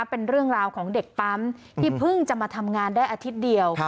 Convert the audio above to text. เป็นเรื่องราวของเด็กปั๊มที่เพิ่งจะมาทำงานได้อาทิตย์เดียว